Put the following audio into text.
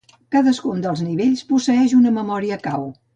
Cadascun dels nivells posseeix una memòria cau.